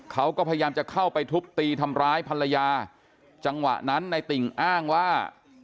เขาก็พยายามจะเข้าไปทุบตีทำร้ายภรรยาจังหวะนั้นในติ่งอ้างว่า